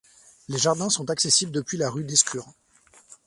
Les jardins sont accessibles depuis la rue d'Escures.